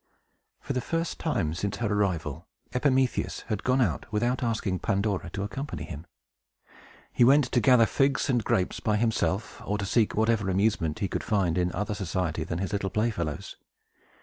For the first time since her arrival, Epimetheus had gone out without asking Pandora to accompany him. He went to gather figs and grapes by himself, or to seek whatever amusement he could find, in other society than his little playfellow's.